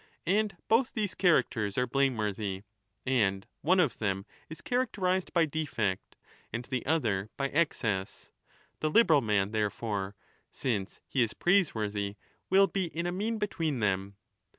And both these characters are blame worthy. And one of them is characterized by defect and the other by excess. The liberal man, therefore, since he is praiseworthy, will be in a mean between them.